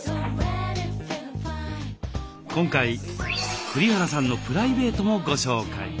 今回栗原さんのプライベートもご紹介。